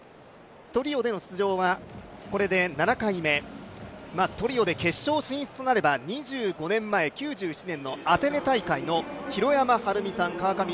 トリオでの出場はこれで７回目、トリオで決勝進出となれば２５年前９７年のアテネ大会の弘山晴美さん